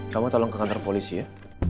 kamu tolong ke kantor polisi ya